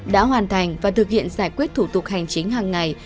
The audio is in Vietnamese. đã hoàn thành và thực hiện giải quyết thủ tục hành chính hàng ngày